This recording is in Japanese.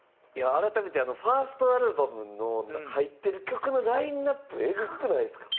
改めてファーストアルバムの入ってる曲のラインアップエグくないですか？